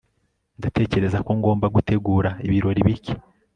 Ndatekereza ko ngomba gutegura ibirori bike